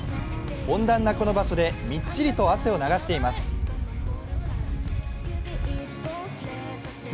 温暖なこの場所でみっちりと汗を流しています。